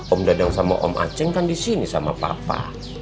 om dadang sama om aceh kan disini sama papa